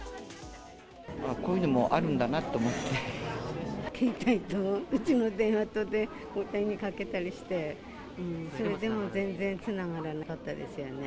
こういうのもあるんだなと思携帯とうちの電話とで、交代にかけたりして、それでも全然つながらなかったですよね。